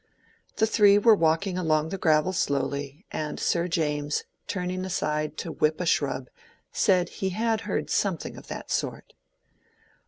The three were walking along the gravel slowly, and Sir James, turning aside to whip a shrub, said he had heard something of that sort.